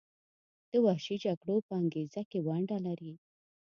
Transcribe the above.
د وحشي جګړو په انګیزه کې ونډه لري.